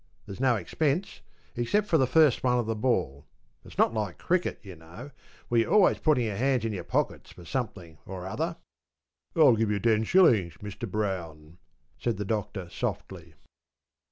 There's no expense, except the first one of the ball. It's not like cricket, you know, where your always putting your hands in your pockets for something or other.’ ‘I'll give ten shillings, Mr Brown,’ said the Doctor softly.